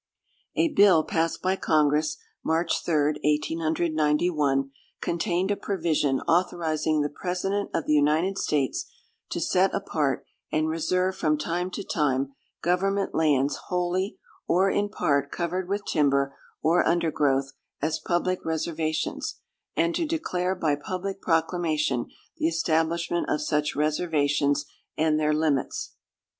A bill passed by Congress, March 3, 1891, contained a provision authorizing the President of the United States to set apart and reserve from time to time government lands wholly or in part covered with timber or undergrowth, as public reservations, and to declare by public proclamation the establishment of such reservations and their limits.